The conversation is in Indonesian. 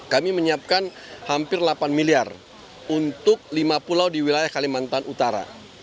kami menyiapkan hampir delapan miliar untuk lima pulau di wilayah kalimantan utara